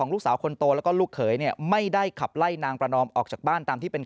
๖เดือนแล้ว